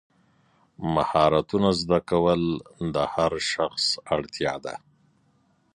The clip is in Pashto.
مهارتونه زده کول د هر شخص اړتیا ده.